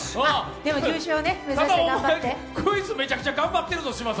でも、クイズめちゃくちゃ頑張っているぞ、嶋佐。